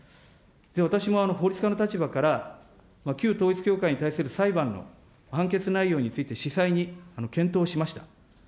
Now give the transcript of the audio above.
私も法律家の立場から旧統一教会に対する裁判の判決内容について子細に検討しました。